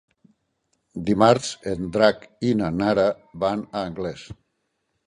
Dimarts en Drac i na Nara van a Anglès.